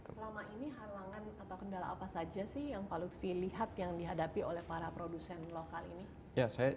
selama ini halangan atau kendala apa saja sih yang pak lutfi lihat yang dihadapi oleh para produsen lokal ini